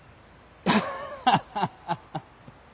ハハハハハ！